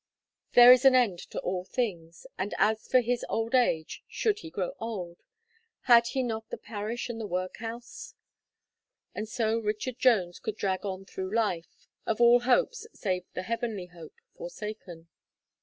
There is an end to all things; and as for his old age, should he grow old, had he not the parish and the workhouse? And so Richard Jones could drag on through life, of all hopes, save the heavenly hope, forsaken.